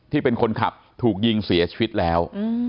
ที่เป็นคนขับถูกยิงเสียชีวิตแล้ว